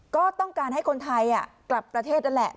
ก็ต้องการให้คนไทยกลับประเทศนั่นแหละ